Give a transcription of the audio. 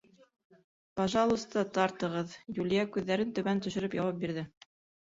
— Пожалуйста, тартығыҙ, — Юлия күҙҙәрен түбән төшөрөп яуап бирҙе.